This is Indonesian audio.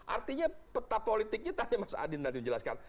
artinya peta politiknya tadi mas adin nanti menjelaskan